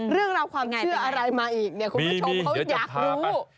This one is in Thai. เรื่องราวความเชื่ออะไรมาอีกเนี่ยคุณผู้ชมเขาอยากรู้